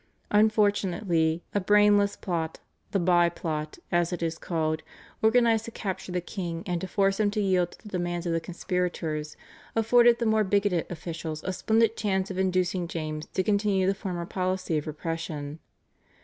Unfortunately a brainless plot, the "Bye Plot," as it is called, organised to capture the king and to force him to yield to the demands of the conspirators, afforded the more bigoted officials a splendid chance of inducing James to continue the former policy of repression.